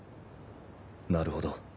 なるほど。